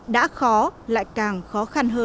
đã khó lại càng khó khăn hơn